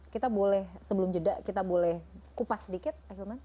kita boleh sebelum jeda kita boleh kupas sedikit ahilman